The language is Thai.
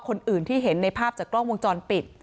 คนอื่นที่เห็นในภาพจากกล้องวงจรปิด